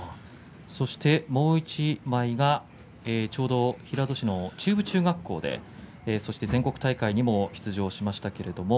もう１枚が、ちょうど平戸市の中部中学校で全国大会にも出場しました。